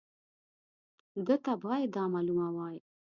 ده ته باید دا معلومه وای.